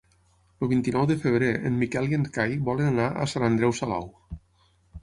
El vint-i-nou de febrer en Miquel i en Cai volen anar a Sant Andreu Salou.